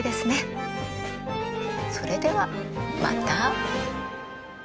それではまた。